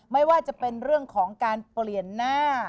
ไม่ว่าจะเป็นเรื่องของการเปลี่ยนหน้า